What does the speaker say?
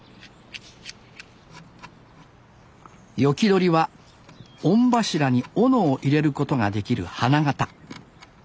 斧取りは御柱に斧を入れることができる花形。